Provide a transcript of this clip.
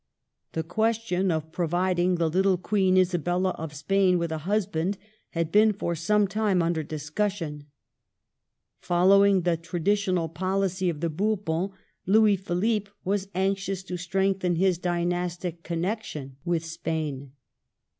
The question of providing the little Queen Isabella of Spain with a husband had been for some time under discussion. Following the traditional policy of the Bourbons Louis Philippe was anxious to strengthen his dynastic connection * Ashley, i. 272. 1852] THE SPANISH MARRIAGES 199 with Spain.